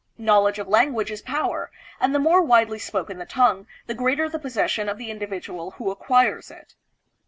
Knowledge of language is power, and the more widely spoken the tongue, the greater the possession of the individual who acquires it.